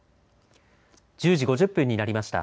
１０時５０分になりました。